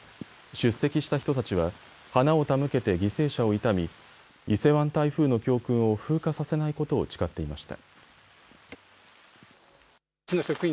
出席した人たちは花を手向けて犠牲者を悼み伊勢湾台風の教訓を風化させないことを誓っていました。